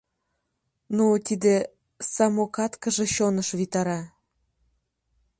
Ну, тиде самокаткыже чоныш витара.